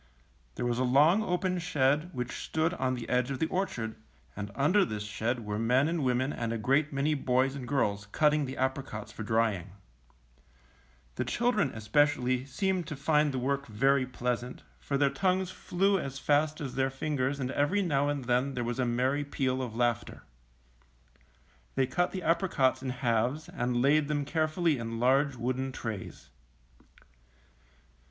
There was a long open shed, which stood on the edge of the orchard; and under this shed were men and women and a great many boys and girls, cutting the apricots for drying. 118 HOW WE CUT APRICOTS. The children, especially, seemed to find the work very pleasant, for their tongues fiew as fast as their fingers and every now and then there was a merry peal of laughter. They cut the apricots in halves, and laid them care fully in large wooden trays.